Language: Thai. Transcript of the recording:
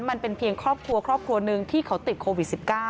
มันเป็นเพียงครอบครัวครอบครัวหนึ่งที่เขาติดโควิด๑๙